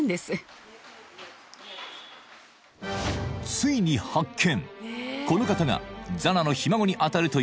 ついに発見！